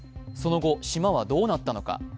その後、島はどうなったのか。